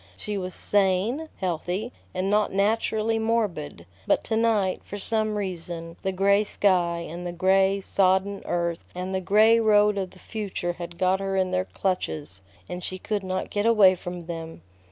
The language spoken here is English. She was sane, healthy, and not naturally morbid; but to night, for some reason, the gray sky, and the gray, sodden earth, and the gray road of the future had got her in their clutches, and she could not get away from them.